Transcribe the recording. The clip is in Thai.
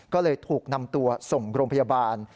ก็เลยถูกนำตัวส่งโรงพยาบาล